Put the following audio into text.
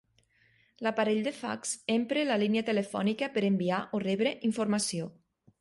L'aparell de fax empra la línia telefònica per enviar o rebre informació.